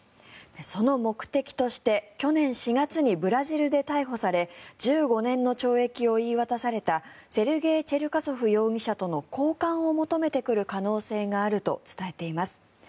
その目的として去年４月にブラジルで逮捕され１５年の懲役を言い渡されたセルゲイ・チェルカソフ容疑者との交換を求めてくる可能性があると伝えています。